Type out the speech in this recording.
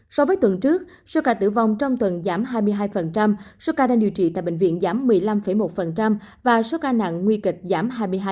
so với tuần trước số ca tử vong trong tuần giảm hai mươi hai số ca đang điều trị tại bệnh viện giảm một mươi năm một và số ca nặng nguy kịch giảm hai mươi hai